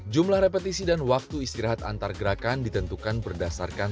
jumlah repetisi dan waktu istirahat antar gerakan ditentukan berdasarkan